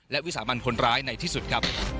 และวิสามันคนร้ายในที่สุดครับ